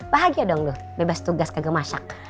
bahagia dong lu bebas tugas kagak masak